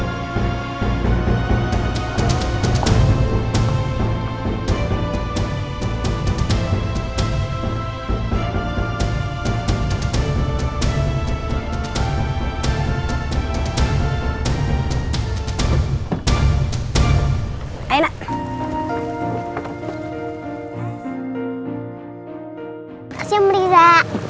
terima kasih pak riza